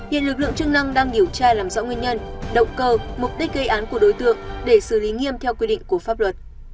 hiện lực lượng chức năng đang điều tra làm rõ nguyên nhân động cơ mục đích gây án của đối tượng để xử lý nghiêm theo quy định của pháp luật